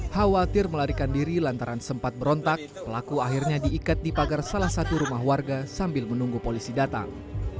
khawatir melarikan diri lantaran sempat berontak pelaku akhirnya diikat di pagar salah satu rumah warga sambil menunggu polisi datang